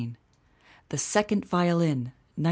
The Second Violin, 1906.